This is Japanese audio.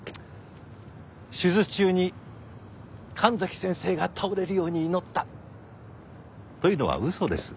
手術中に神崎先生が倒れるように祈ったというのは嘘です。